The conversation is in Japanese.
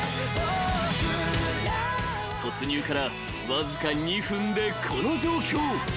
［突入からわずか２分でこの状況］